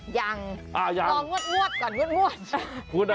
ยังรองวถก่อนงวดคุณนะ